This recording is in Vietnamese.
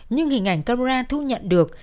nhưng hình ảnh camera thu nhận được